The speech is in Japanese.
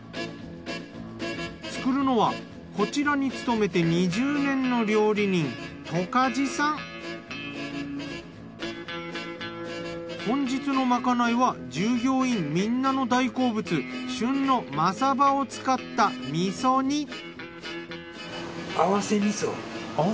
作るのはこちらに勤めて２０年の料理人本日のまかないは従業員みんなの大好物旬のマサバを使った味噌煮。